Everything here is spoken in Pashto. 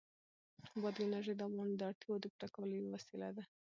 بادي انرژي د افغانانو د اړتیاوو د پوره کولو یوه وسیله ده.